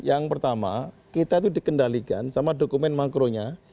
yang pertama kita itu dikendalikan sama dokumen makronya